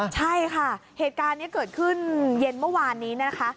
ใช่ค่ะเหตุการณ์นี้เกิดขึ้นเย็นเมื่อวานนี้นะคะ